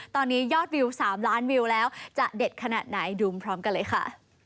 ตอนนี้ยอดวิว๓ล้านวิวแล้วจะเด็ดขนาดไหนดูพร้อมกันเลยค่ะ